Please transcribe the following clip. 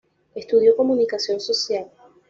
Estudió Comunicación Social.